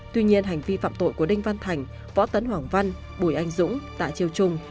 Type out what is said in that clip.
tuy nhiên hành vi phạm tội của đinh văn thành võ tấn hoàng văn bùi anh dũng tạ chiêu trung